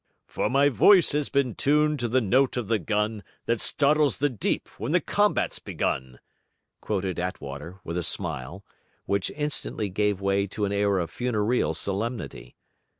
'"For my voice has been tuned to the note of the gun That startles the deep when the combat's begun,"' quoted Attwater, with a smile, which instantly gave way to an air of funereal solemnity.